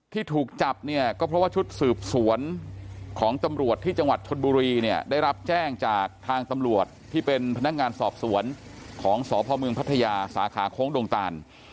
ที่ถูกจับเนี่ยก็เพราะว่าชุดสืบสวนของตำรวจที่จังหวัดชนบุรีเนี่ยได้รับแจ้งจากทางตำรวจที่เป็นพนักงานสอบสวนของสพเมืองพัทยาสาขาโค้งดงตาล